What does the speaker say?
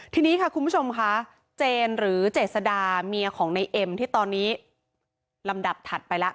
ทีนี้ค่ะคุณผู้ชมค่ะเจนหรือเจษดาเมียของในเอ็มที่ตอนนี้ลำดับถัดไปแล้ว